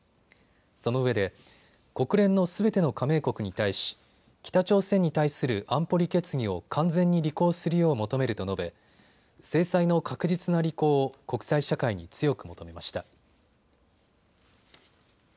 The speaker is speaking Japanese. そのうえで、国連のすべての加盟国に対し北朝鮮に対する安保理決議を完全に履行するよう求めると述べ、制裁の確実な履行を国際社会に強く求めました。